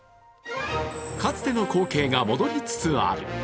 かつての光景が戻りつつある。